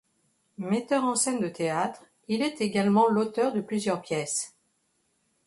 Metteur en scène de théâtre, il est également l'auteur de plusieurs pièces.